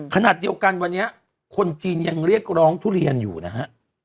ขณะเดียวกันวันนี้คนจีนยังเรียกร้องทุเรียนอยู่นะฮะ